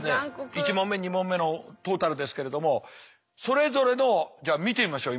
１問目２問目のトータルですけれどもそれぞれのを見てみましょう